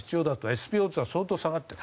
ＳｐＯ２が相当下がっている。